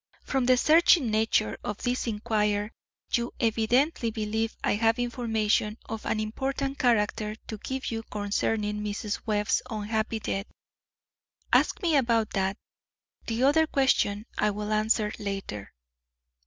"From the searching nature of this inquiry, you evidently believe I have information of an important character to give you concerning Mrs. Webb's unhappy death. Ask me about that; the other question I will answer later."